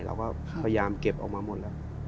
เราก็พยายามเก็บออกมาหมดแล้ว